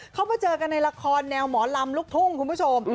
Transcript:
เขามาเจอกันในละครแนวหมอลำลูกทุ่งคุณผู้ชม